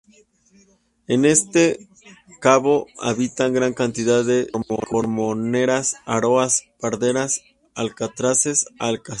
En este cabo habitan gran cantidad de cormoranes, araos, pardelas, alcatraces, alcas...